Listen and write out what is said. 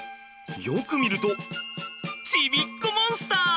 よく見るとちびっこモンスター！